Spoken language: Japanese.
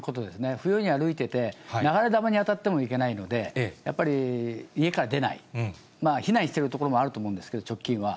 不用意に歩いてて、流れ弾に当たってもいけないので、やっぱり家から出ない、避難しているところもあると思うんですけれども、直近は。